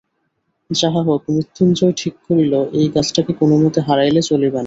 যাহা হউক, মৃত্যুঞ্জয় ঠিক করিল, এই গাছটাকে কোনোমতে হারাইলে চলিবে না।